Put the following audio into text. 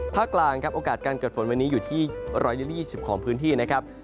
กลางครับโอกาสการเกิดฝนวันนี้อยู่ที่๑๒๐ของพื้นที่นะครับ